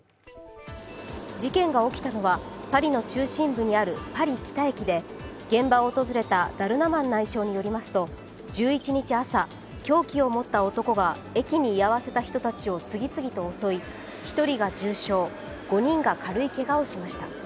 事件が起きたのはパリの中心部にあるパリ北駅で現場を訪れたダルマナン内相によりますと１１日朝凶器を持った男が駅に居合わせた人たちを次々と襲い、１人が重傷、５人が軽いけがをしました。